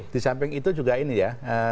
di samping itu juga ini ya